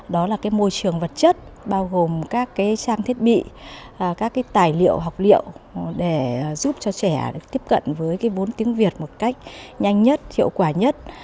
đó là môi trường vật chất bao gồm các trang thiết bị các tài liệu học liệu để giúp cho trẻ tiếp cận với vốn tiếng việt một cách nhanh nhất hiệu quả nhất